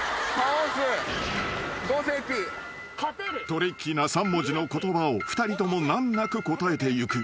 ［トリッキーな３文字の言葉を２人とも難なく答えていく］